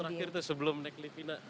terakhir tuh sebelum naik lipina